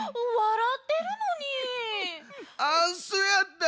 あっそやった。